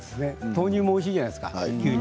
豆乳もおいしいじゃないですか。